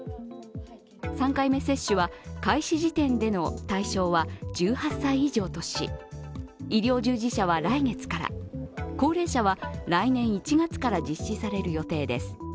３回目接種は開始時点での対象は１８歳以上とし医療従事者は来月から高齢者は来年１月から実施される予定です。